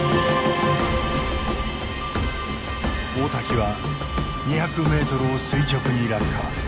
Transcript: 大滝は２００ｍを垂直に落下。